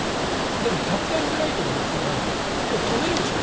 でもキャピタルフライトが起きたら止めるでしょ？